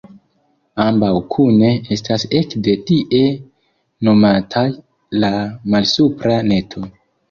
Ambaŭ kune estas ekde tie nomataj la Malsupra Neto.